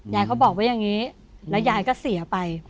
เขาบอกไว้อย่างนี้แล้วยายก็เสียไป